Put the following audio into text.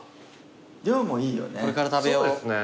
量もいいよね。